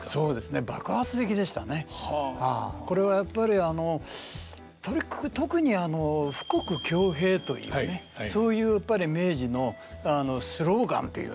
これはやっぱりあの特にあの富国強兵というねそういうやっぱり明治のスローガンというのかな